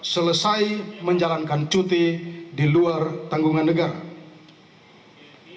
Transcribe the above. selesai menjalankan cuti di luar tanggungan negara